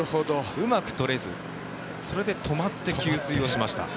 うまく取れずそれで止まって給水をしました。